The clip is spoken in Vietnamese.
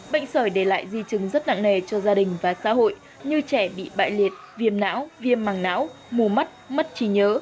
bệnh sởi để lại di chứng rất nặng nề cho gia đình và xã hội như trẻ bị bại liệt viêm não viêm mảng não mù mắt mất trí nhớ